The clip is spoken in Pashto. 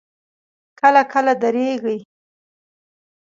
کله کله درېږي.